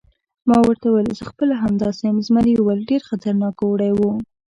ما ورته وویل: زه خپله همداسې یم، زمري وویل: ډېر خطرناک اوړی و.